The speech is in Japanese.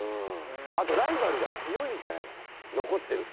あとライバルが強いんじゃないかなって。